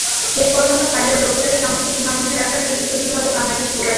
শেষ পর্যন্ত হারলেও লক্ষ্যটাকে সার্মথ্যের সীমার মধ্যে রাখার কৃতিত্ব দিতে হবে বাংলাদেশি বোলারদের।